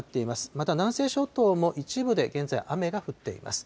また南西諸島も一部で現在、雨が降っています。